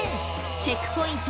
チェックポイント